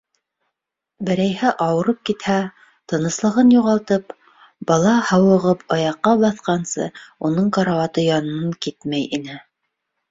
Берәйһе ауырып китһә, тыныслығын юғалтып, бала һауығып аяҡҡа баҫҡансы уның карауаты янынан китмәй ине.